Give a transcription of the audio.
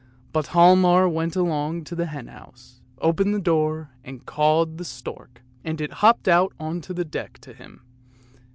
But Hialmar went along to the henhouse, opened the door, and called the stork, and it hopped out on to the deck to him.